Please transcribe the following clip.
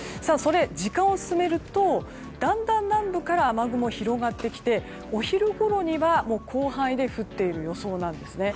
時間を進めるとだんだん南部から雨雲が広がってきてお昼ごろには広範囲で降っている予想なんですね。